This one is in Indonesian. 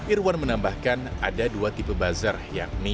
irwan menambahkan ada dua tipe buzzer yang menarik